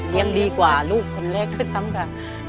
ยังดีกว่าลูกคนเล็กด้วยซ้ำค่ะ